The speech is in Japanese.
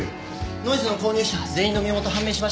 ノイズの購入者全員の身元判明しましたよ。